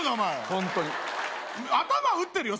ホントに頭撃ってるよ